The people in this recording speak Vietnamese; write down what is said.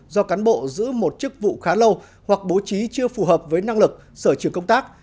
do cán bộ giữ một chức vụ khá lâu hoặc bố trí chưa phù hợp với năng lực sở trường công tác